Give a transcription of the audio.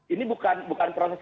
ini bukan proses